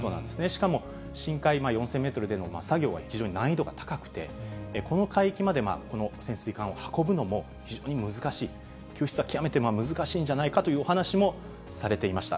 しかも、深海４０００メートルでの作業は非常に難易度が高くて、この海域までこの潜水艦を運ぶのも非常に難しい、救出は極めて難しいんじゃないかというお話もされていました。